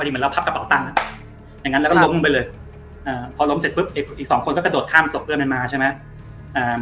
อย่างงั้นเราก็ล้มไปเลยพอล้มเสร็จปุ๊บอีก๒คนก็กระโดดข้ามศพเพื่อนมันมาใช่ไหม